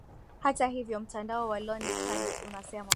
Hata hivyo mtandao wa lonely planet unasema